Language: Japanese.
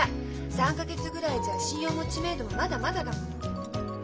３か月ぐらいじゃ信用も知名度もまだまだだもの。